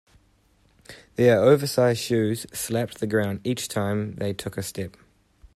Their oversized shoes slapped the ground each time they took a step.